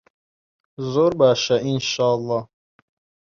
زۆر باشە ئینشەڵا.